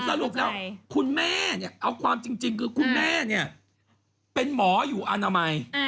สรุปแล้วคุณแม่เนี่ยเอาความจริงคือคุณแม่เนี่ยเป็นหมออยู่อนามัย